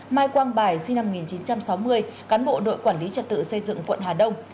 mai quang bài sinh năm một nghìn chín trăm sáu mươi cán bộ đội quản lý trật tự xây dựng quận hà đông